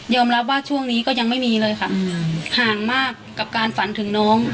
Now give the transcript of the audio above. รับว่าช่วงนี้ก็ยังไม่มีเลยค่ะห่างมากกับการฝันถึงน้อง